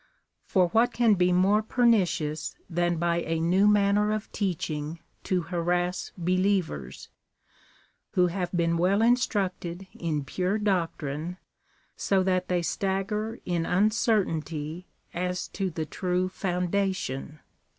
For what can be more pernicious than by a new manner of teaching to harass believers, who have been well instructed in pure doctrine, so that they stagger in uncertainty as to the true foundation.